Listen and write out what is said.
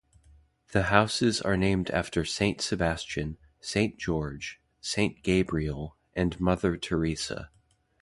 The Houses are named after Saint Sebastian, Saint George, Saint Gabriel, and Mother Teresa.